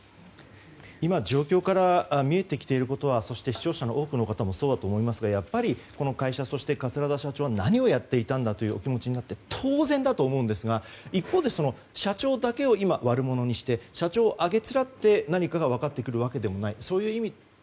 今、状況から見えてきていることそして視聴者の多くの方もそうだと思いますがやっぱり、この会社と桂田社長は何をやっていたのかという気持ちになって当然だと思うんですが一方で、社長だけを悪者にして社長をあげつらって何かが分かってくるわけでもない。